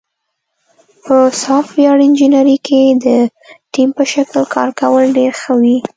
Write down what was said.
په سافټویر انجینری کې د ټیم په شکل کار کول ډېر ښه وي.